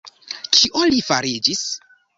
Kio li fariĝis?